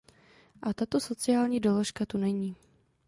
A tato sociální doložka tu není.